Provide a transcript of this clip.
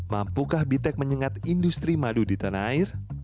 mampukah bitek menyengat industri madu di tanah air